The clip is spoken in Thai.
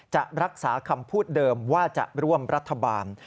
จะรักษาคำพูดเดิมว่าจะร่วมรัฐบาล